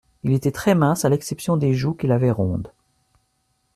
Il était très mince, à l’exception des joues qu’il avait rondes